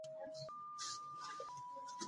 افغانستان د خاوره له پلوه متنوع دی.